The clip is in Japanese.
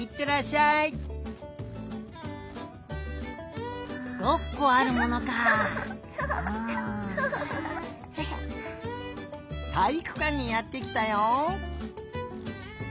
たいいくかんにやってきたよ。